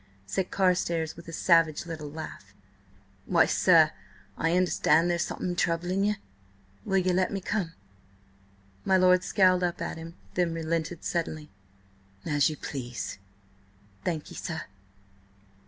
said Carstares with a savage little laugh. "Why, sir, I understand there's something troubling ye. Will ye let me come?" My lord scowled up at him, then relented suddenly. "As you please." "Thank ye, sir."